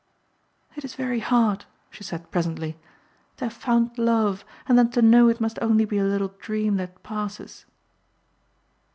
"It is very hard," she said presently, "to have found love and then to know it must only be a little dream that passes."